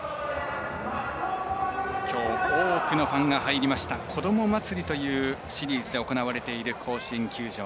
きょう多くのファンが入りました子ども祭りというシリーズで行われている甲子園球場。